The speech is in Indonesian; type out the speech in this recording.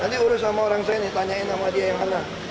nanti urus sama orang saya ini tanyain sama dia yang mana